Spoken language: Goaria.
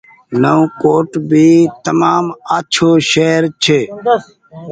نئون ڪوٽ ڀي تمآم آڇو شهر ڇي۔